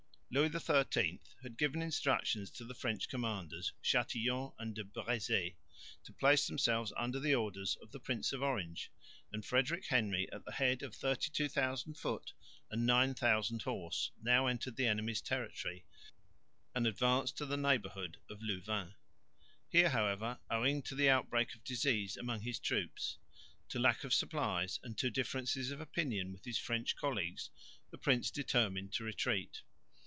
Louis XIII had given instructions to the French commanders, Châtillon and de Brézé, to place themselves under the orders of the Prince of Orange; and Frederick Henry at the head of 32,000 foot and 9000 horse now entered the enemy's territory and advanced to the neighbourhood of Louvain. Here however, owing to the outbreak of disease among his troops, to lack of supplies and to differences of opinion with his French colleagues, the prince determined to retreat.